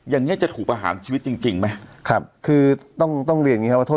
อย่างนี้จะถูกประหารชีวิตจริงจริงไหมครับคือต้องต้องเรียนอย่างงี้ครับว่าโทษ